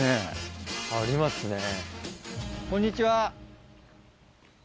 こんにちは。